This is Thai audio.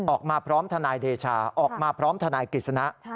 ออกมาพร้อมทนายเดชาออกมาพร้อมทนายกฤษณะ